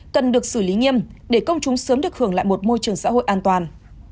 cần được xử lý nghiêm để công chúng sớm được hưởng lại một môi trường xã hội an toàn